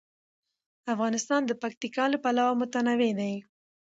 افغانستان د پکتیکا له پلوه متنوع دی.